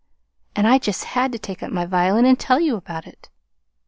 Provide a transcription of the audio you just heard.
And I just had to take up my violin and tell you about it!"